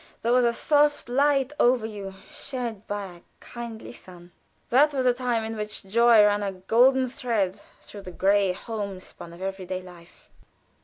There was a soft light over you shed by a kindly sun. That was a time in which joy ran a golden thread through the gray homespun of every day life.